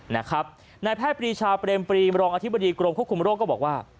นายแพทย์ปรีชาเปรมปรีมรองอธิบดีกรมควบคุมโรคก็บอกว่า